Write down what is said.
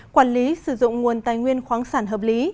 quản lý sử dụng nguồn tài nguyên khoáng sản hợp lý